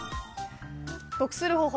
得する方法